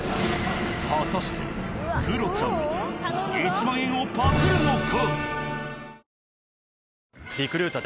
果たしてクロちゃんは１万円をパクるのか？